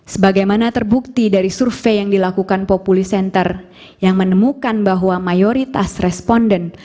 sebagaimana terbukti dari survei yang dilakukan populi center yang menemukan bahwa mayoritas responden